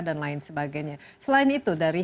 dan lain sebagainya selain itu dari